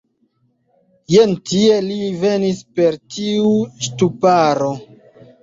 Jen tie, li venis per tiu ŝtuparo.